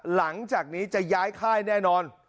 หลังจากนี้จะย้ายค่ายแน่นอน